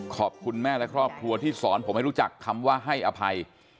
ขอบคุณแม่และครอบครัวที่สอนผมให้รู้จักคำว่าให้อภัย